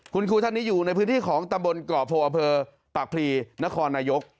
คุณครูท่านนี้อยู่ในพื้นที่ของตำบลเกาะโพอำเภอปากพลีนครนายก